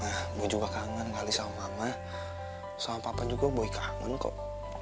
nah gue juga kangen kali sama mama sama papa juga gue kangen kok